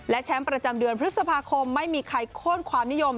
และแชมป์ประจำเดือนพฤษภาคมไม่มีใครโค้นความนิยม